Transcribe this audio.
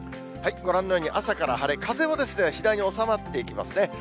ご覧のように、朝から晴れ、風も次第に収まっていきますね。